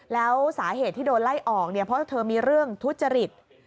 แล้วสาเหตุที่โดนไล่ออกเนี่ยเพราะเธอมีเรื่องทุจริต